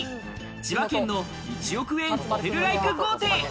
千葉県の１億円ホテルライク豪邸。